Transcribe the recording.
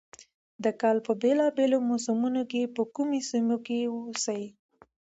د کال په بېلا بېلو موسمونو کې په کومو سيمو کښې اوسي،